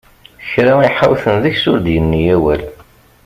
Kra i ḥawten deg-s ur d-yenni awal!